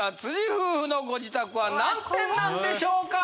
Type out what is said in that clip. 夫婦のご自宅は何点なんでしょうか？